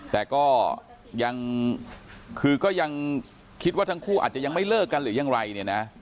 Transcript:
แต่ก็ยังคือก็ยังคิดว่าทั้งคู่อาจจะยังไม่เลิกกันหรือยังไรเนี่ยนะ